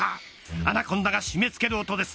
アナコンダが絞め付ける音です。